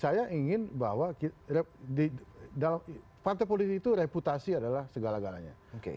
saya ingin bahwa di dalam partai politik itu reputasi adalah segala galanya